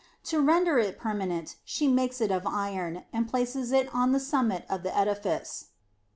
To render it permanent, she makes it of iron, and places it on the summit of the edifice.